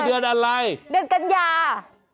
เดือนกัญญา